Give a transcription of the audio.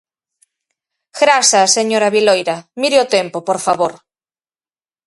Grazas, señora Viloira, mire o tempo, por favor.